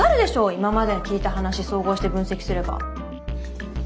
今までに聞いた話総合して分析すれば。